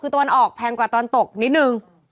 คือตะวันออกแพงกว่าตอนตกนิดนึง